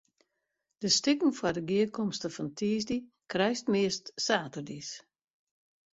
De stikken foar de gearkomste fan tiisdei krijst meast saterdeis.